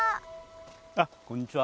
あっこんにちは。